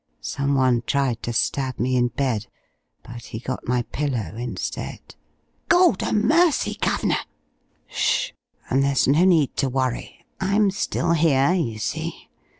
Someone tried to stab me in bed but he got my pillow instead " "Gawdamercy, Guv'nor! " "Ssh. And there's no need to worry. I'm still here, you see.